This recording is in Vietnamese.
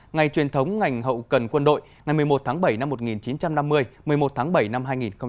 ngày truyền thống ngành hậu cần quân đội ngày một mươi một tháng bảy năm một nghìn chín trăm năm mươi một mươi một tháng bảy năm hai nghìn hai mươi